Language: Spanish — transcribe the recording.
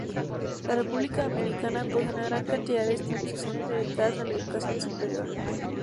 La República Dominicana posee una gran cantidad de instituciones dedicadas a la Educación Superior.